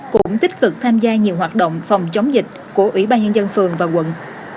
cũng tích cực tham gia nhiều hoạt động phòng chống dịch của ủy ban nhân dân phường và quận